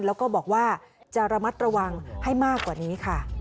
แล้วก็บอกว่าจะระมัดระวังให้มากกว่านี้ค่ะ